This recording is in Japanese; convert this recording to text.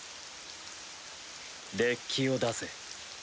デッキを出せ。